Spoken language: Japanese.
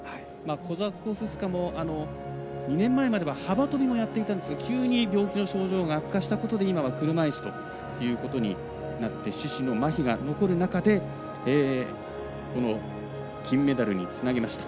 コザコフスカも２年前までは幅跳びをやっていたんですが急に病気の症状が悪化したことによって今は車いすということになって四肢のまひが残る中で金メダルにつなげました。